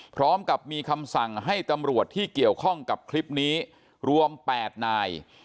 พร้อมกับมีคำสั่งให้ตำรวจที่เกี่ยวข้องกับคลิปนี้รวม๘นาย